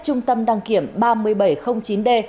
trung tâm đăng kiểm ba nghìn bảy trăm linh chín d